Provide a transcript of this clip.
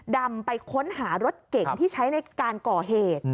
ดำไปค้นหารถเก่งที่ใช้ในการก่อเหตุ